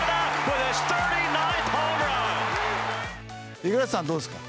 五十嵐さんどうですか？